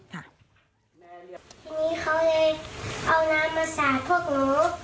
ทีนี้เขาเลยเอาน้ำมาสาดพวกหนู